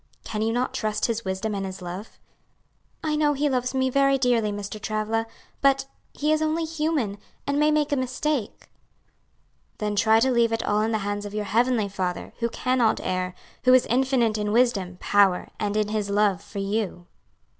Can you not trust his wisdom and his love?" "I know he loves me very dearly, Mr. Travilla, but he is only human, and may make a mistake." "Then try to leave it all in the hands of your heavenly Father, who cannot err, who is infinite in wisdom, power, and in His love for you."